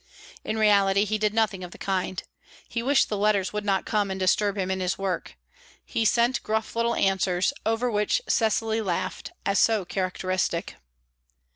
In reality, he did nothing of the kind; he wished the letters would not come and disturb him in his work. He sent gruff little answers, over which Cecily laughed, as so characteristic.